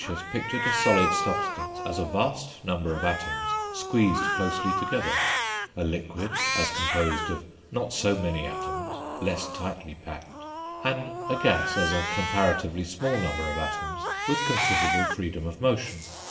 Lucretius pictured a solid substance as a vast number of atoms squeezed closely together, a liquid as composed of not so many atoms less tightly packed, and a gas as a comparatively small number of atoms with considerable freedom of motion.